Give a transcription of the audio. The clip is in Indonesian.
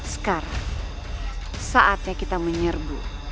sekarang saatnya kita menyerbu